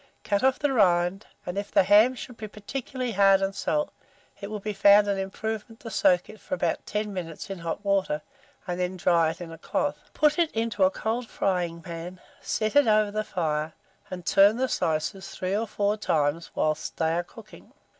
Cut off the rind, and if the ham should be particularly hard and salt, it will be found an improvement to soak it for about 10 minutes in hot water, and then dry it in a cloth. Put it into a cold frying pan, set it over the fire, and turn the slices 3 or 4 times whilst they are cooking.